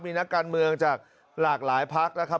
มีนักการเมืองจากหลากหลายพักนะครับ